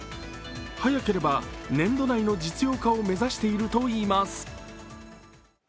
早ければ年度内の実用化を目指しているといいます。